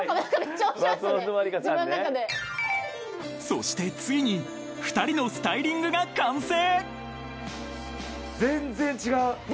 ［そしてついに２人のスタイリングが完成］